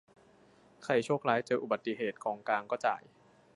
ใคร "โชคร้าย" เจออุบัติเหตุ กองกลางก็จ่าย